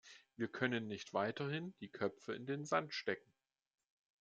Wir können nicht weiterhin die Köpfe in den Sand stecken.